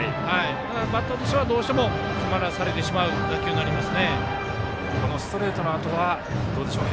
バッターとしてはどうしても詰まらされてしまう打球になります。